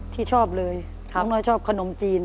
ที่ชอบเลยน้องน้อยชอบขนมจีน